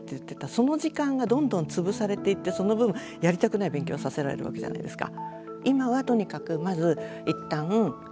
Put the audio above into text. その時間がどんどん潰されていってその分やりたくない勉強をさせられるわけじゃないですか。